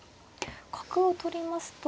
角を取りますと。